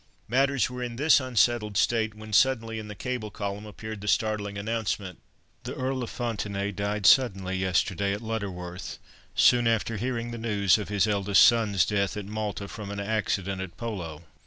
Matters were in this unsettled state, when suddenly in the cable column appeared the startling announcement, "The Earl of Fontenaye died suddenly yesterday, at Lutterworth, soon after hearing the news of his eldest son's death at Malta from an accident at polo.